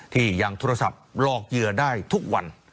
ที่ยังโทรศัพท์หลอกเหยื่อได้ทุกวัน